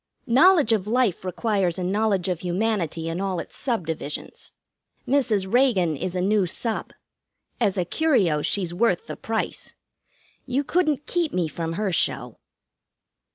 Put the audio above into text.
"Knowledge of life requires a knowledge of humanity In all its subdivisions. Mrs. Reagan is a new sub. As a curio, she's worth the price. You couldn't keep me from her show."